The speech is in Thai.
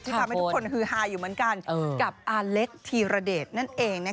ทำให้ทุกคนฮือฮาอยู่เหมือนกันกับอาเล็กธีรเดชนั่นเอง